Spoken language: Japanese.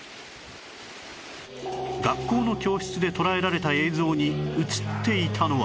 学校の教室で捉えられた映像に映っていたのは